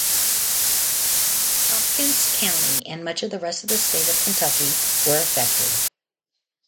Hopkins County and much of the rest of state of Kentucky were affected.